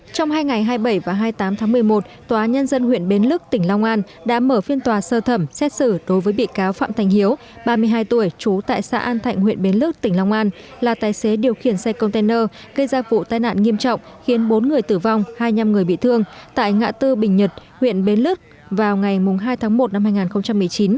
trong hai ngày hai mươi bảy và hai mươi tám tháng một mươi một tòa nhân dân huyện bến lức tỉnh long an đã mở phiên tòa sơ thẩm xét xử đối với bị cáo phạm thành hiếu ba mươi hai tuổi trú tại xã an thạnh huyện bến lức tỉnh long an là tài xế điều khiển xe container gây ra vụ tai nạn nghiêm trọng khiến bốn người tử vong hai nhăm người bị thương tại ngã tư bình nhật huyện bến lức vào ngày hai tháng một năm hai nghìn một mươi chín